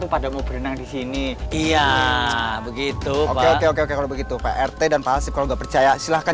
pada mau berenang di sini iya begitu oke oke oke begitu prt dan pas kalau nggak percaya silahkan